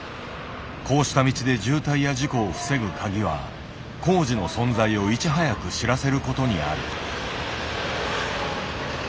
こうした道で渋滞や事故を防ぐ鍵は工事の存在をいち早く知らせることにある。